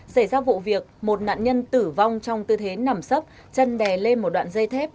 xảy ra vụ việc một nạn nhân tử vong trong tư thế nằm sấp chân đè lên một đoạn dây thép